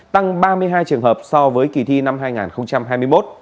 tăng ba mươi hai trường hợp so với kỳ thi năm hai nghìn hai mươi một